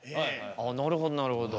ああなるほどなるほど。